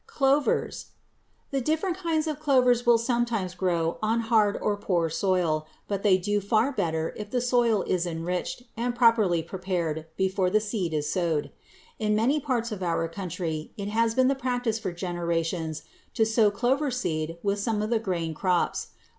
=Clovers.= The different kinds of clovers will sometimes grow on hard or poor soil, but they do far better if the soil is enriched and properly prepared before the seed is sowed. In many parts of our country it has been the practice for generations to sow clover seed with some of the grain crops.